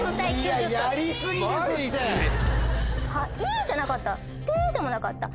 「い」じゃなかった「で」でもなかった。